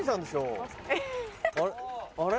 あれ？